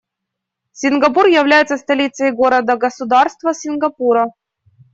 Сингапур является столицей города-государства Сингапура.